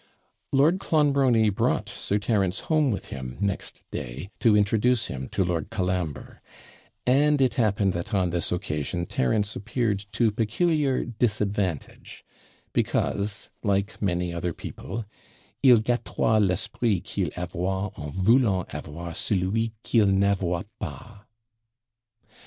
Lord Clonbrony brought Sir Terence home with him next day to introduce him to Lord Colambre; and it happened that on this occasion Terence appeared to peculiar disadvantage, because, like many other people, 'Il gatoit l'esprit qu'il avoit en voulant avoir celui qu'il n'avoit pas.'